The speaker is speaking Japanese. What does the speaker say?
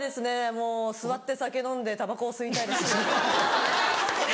もう座って酒飲んでたばこを吸いたいです。